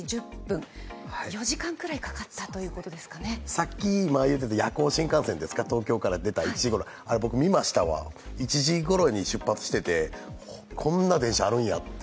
さっき夜行新幹線ですか、東京から出た列車、あれ、僕、見ましたわ、１時ごろに出発してて、こんな電車あるんやって。